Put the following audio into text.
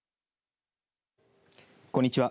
こんにちは。